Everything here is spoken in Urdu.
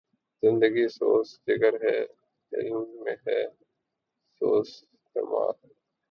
زندگی سوز جگر ہے ،علم ہے سوز دماغ